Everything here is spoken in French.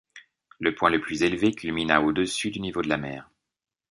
Le point le plus élevé culmine à au-dessus du niveau de la mer.